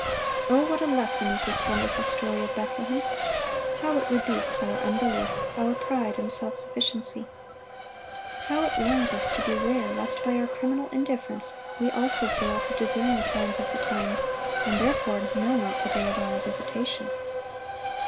(512) O, what a lesson is this wonderful story of Bethlehem! How it rebukes our unbelief, our pride and self sufficiency. How it warns us to beware, lest by our criminal indifference we also fail to discern the signs of the times, and therefore know not the day of our visitation.